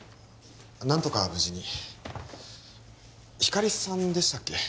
何とか無事にひかりさんでしたっけ？